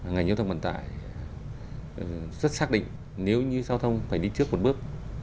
ngành giao thông vận tải rất xác định nếu như giao thông phải đi trước một bước